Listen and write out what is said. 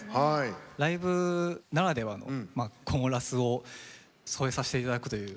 ライブならではのコーラスを添えさせていただくという。